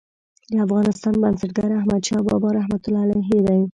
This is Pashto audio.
د افغانستان بنسټګر احمدشاه بابا رحمة الله علیه دی.